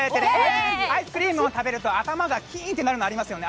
アイスクリームを食べると頭がキーンとなりますよね？